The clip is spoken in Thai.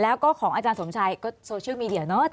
แล้วก็ของอาจารย์สมชัยก็โซเชียลมีเดียเนอะ